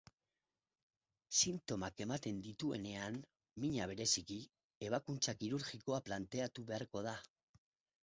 Sintomak ematen dituenean, mina bereziki, ebakuntza kirurgikoa planteatu beharko da.